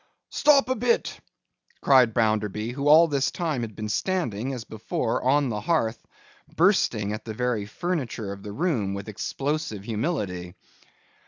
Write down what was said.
'Stop a bit!' cried Bounderby, who all this time had been standing, as before, on the hearth, bursting at the very furniture of the room with explosive humility.